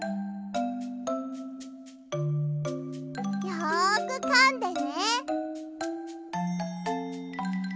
よくかんでね。